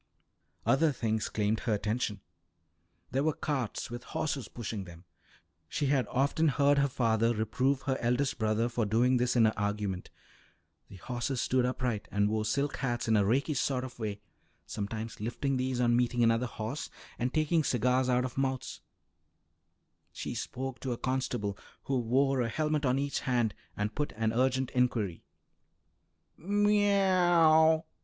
Other things claimed her attention. There were carts with horses pushing them she had often heard her father reprove her eldest brother for doing this in argument the horses stood upright and wore silk hats in a rakish sort of way, sometimes lifting these on meeting another horse and taking cigars out of mouths. She spoke to a constable, who wore a helmet on each hand, and put an urgent inquiry.